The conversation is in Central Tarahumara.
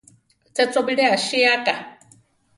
Che cho bilé asiáka.